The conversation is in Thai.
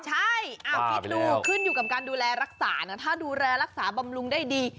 ใช่คิดดูขึ้นอยู่กับการดูแลรักษานะถ้าดูแลรักษาบำรุงได้ดี